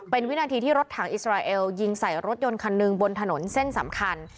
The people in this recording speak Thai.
เป็นวินาทีที่รถถังอิสราเอลยิงใส่รถยนต์คันหนึ่งบนถนนเส้นสำคัญ